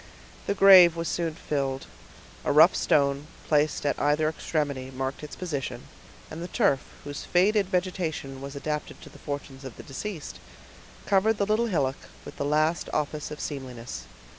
The grave was soon filled; a rough stone, placed at either extremity, marked its position, and the turf, whose faded vegetation was adapted to the fortunes of the deceased, covered the little hillock with the last office of seemliness.